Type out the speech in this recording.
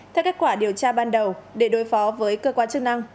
theo kết quả điều tra ban đầu để đối phó với cơ quan chức năng